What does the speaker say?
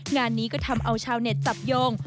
งานนี้ก็ทำเอาชาวเน็ตจับโยง